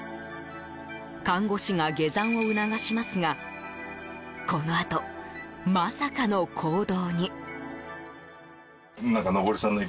看護師が下山を促しますがこのあと、まさかの行動に。